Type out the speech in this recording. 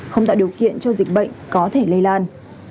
không tạo điều kiện cho dịch bệnh có thể lây lan